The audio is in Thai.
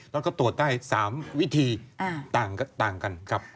แล้วก็ตรวจได้๓วิธีต่างกันครับ